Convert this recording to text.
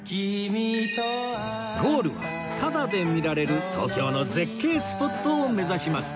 ゴールはタダで見られる東京の絶景スポットを目指します